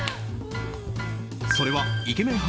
それはイケメン